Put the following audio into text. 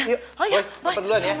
boy bapak duluan ya